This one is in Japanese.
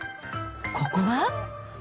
ここは？